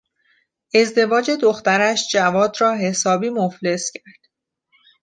ازدواج دخترش جواد را حسابی مفلس کرد.